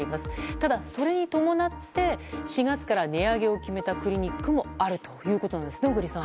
ただ、それに伴って４月から値上げを決めたクリニックもあるということです小栗さん。